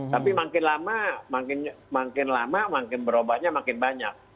tapi makin lama makin berubahnya makin banyak